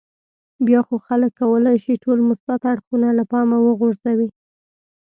بیا خو خلک کولای شي ټول مثبت اړخونه له پامه وغورځوي.